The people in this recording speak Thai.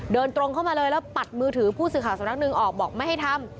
เดินตรงเข้ามาเลยแล้วปัดมือถือผู้สื่อข่าวสำนักหนึ่งออกบอกไม่ให้ทำ